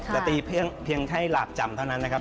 แต่ตีเพียงแค่หลาบจำเท่านั้นนะครับ